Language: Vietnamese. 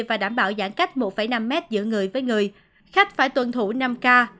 và đảm bảo giãn cách một năm mét giữa người với người khách phải tuân thủ năm k